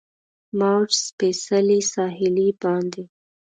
موج ځپلي ساحل باندې